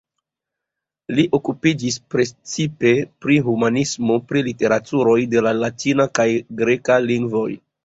Li okupiĝis precipe pri humanismo, pri literaturoj de la latina kaj greka lingvoj.